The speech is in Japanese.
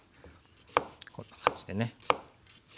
こんな感じでね。